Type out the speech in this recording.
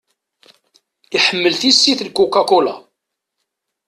Iḥemmel tissit n Coca-Cola.